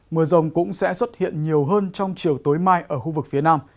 mưa rồng cũng sẽ xuất hiện nhiều hơn trong chiều tối mai ở khu vực phía nam